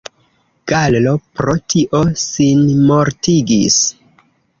Gallo pro tio sinmortigis.